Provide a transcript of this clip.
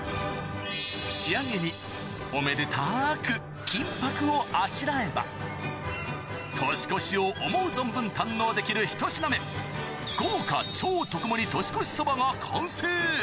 仕上げに、おめでたーく金ぱくをあしらえば、年越しを思う存分堪能できる１品目、豪華超特盛り年越しそばが完成。